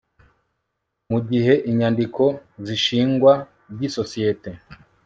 mu gihe inyandiko z ishingwa ry isosiyete